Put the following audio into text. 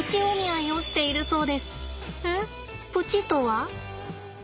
プチとは？